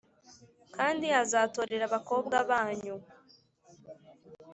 Kandi azatorera abakobwa banyu